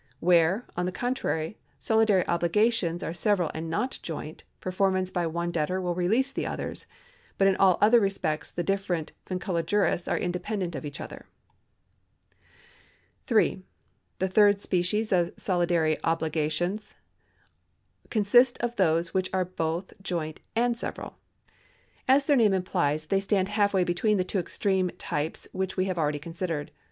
Where, on the contrary, solidary obhgations are several and not joint, performance by one debtor will release the others, but in all other respects the different vincula juris are independent of each other. 3. The third species of solidary obligation consists of those which are both joint and several. As their name implies, they stand half way between the two extreme types which we have already considered.